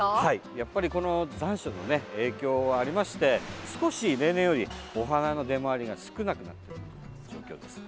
やっぱりこの残暑の影響がありまして少し、例年よりお花の出回りが少なくなっている状況です。